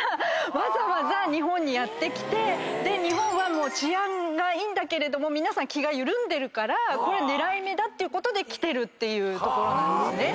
日本は治安がいいんだけれども皆さん気が緩んでるからこれ狙い目だっていうことで来てるっていうところなんですね。